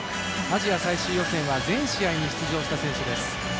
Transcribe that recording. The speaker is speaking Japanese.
アジア最終予選は全試合に出場した選手です。